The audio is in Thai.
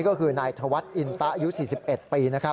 ก็คือนายธวัฒน์อินตะอายุ๔๑ปี